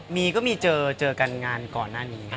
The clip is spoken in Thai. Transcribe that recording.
มีก็มีเจอเจอกันงานก่อนหน้านี้